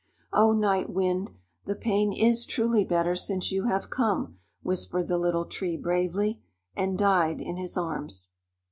"Oh, Night Wind, the pain is truly better since you have come," whispered the Little Tree bravely, and died in his arms.